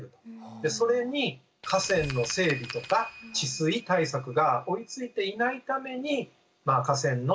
でそれに河川の整備とか治水対策が追いついていないために河川の氾濫・